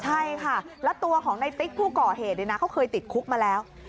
ใช่ค่ะแล้วตัวของในติ๊กผู้ก่อเหตุเนี่ยนะเขาเคยติดคุกมาแล้ว